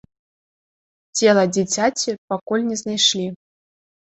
Цела дзіцяці пакуль не знайшлі.